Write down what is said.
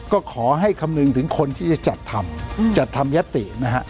ก็ขอให้คำนึงถึงคนที่จะจัดทำจัดทำยัตตินะฮะ